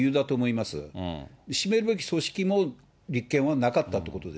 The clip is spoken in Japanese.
引き締めるべき組織も、立憲はなかったということです。